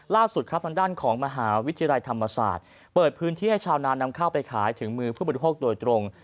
ล่าสุดครับทางด้านของมหาวิทยาลัยธรรมศาสตร์เปิดพื้นที่ให้ชาวนานำข้าวไปขายถึงมือผู้บริโภคโดยตรง